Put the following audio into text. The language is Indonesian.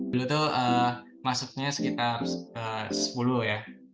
dulu tuh masuknya sekitar sepuluh ya